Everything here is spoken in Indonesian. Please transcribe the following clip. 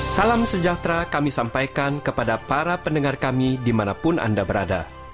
salam sejahtera kami sampaikan kepada para pendengar kami dimanapun anda berada